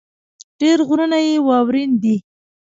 ډېر غرونه يې واؤرين دي ـ